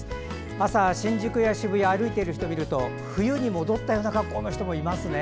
朝、新宿や渋谷歩いている人を見ると冬に戻ったような格好の人もいますね。